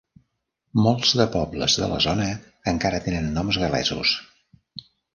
Molts de pobles de la zona encara tenen noms gal·lesos.